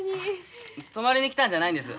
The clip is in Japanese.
泊まりに来たんじゃないんです。